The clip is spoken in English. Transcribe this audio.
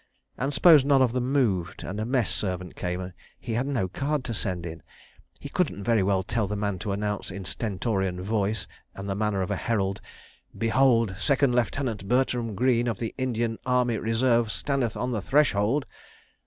And suppose none of them moved, and a Mess servant came—he had no card to send in. He couldn't very well tell the man to announce in stentorian voice and the manner of a herald: "Behold! Second Lieutenant Bertram Greene, of the Indian Army Reserve, standeth on the threshold!"